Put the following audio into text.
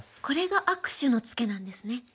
これが握手のツケなんですね。